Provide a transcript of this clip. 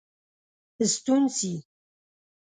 ستون سي.